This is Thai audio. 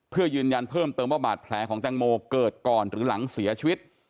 เพื่อยืนยันเพิ่มเติมว่าบาดแผลของแตงโมเกิดก่อนหรือหลังเสียชีวิต